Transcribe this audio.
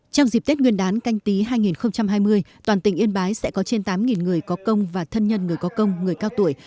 trong dịp tết nguyên đán canh tí hai nghìn hai mươi toàn tỉnh yên bái sẽ có trên tám người có công và thân nhân người có công người cao tuổi